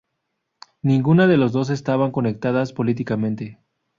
Ninguna de las dos estaban conectadas políticamente.